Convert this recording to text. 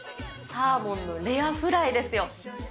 サーモンのレアフライですよ。